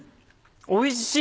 おいしい！